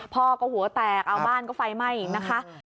พ่อก็หัวแตกเอาบ้านก็ไฟไหม้อีกนะคะ